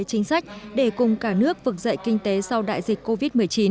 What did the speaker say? chính sách để cùng cả nước vực dậy kinh tế sau đại dịch covid một mươi chín